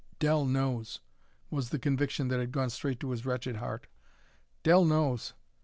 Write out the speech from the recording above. "Dell knows," was the conviction that had gone straight to his wretched heart. "Dell knows.